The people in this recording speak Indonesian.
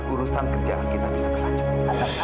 urusan kerjaan kita bisa berlanjut